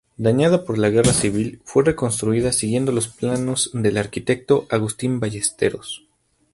Dañada por la Guerra Civil, fue reconstruida siguiendo los planos del arquitecto Agustín Ballesteros.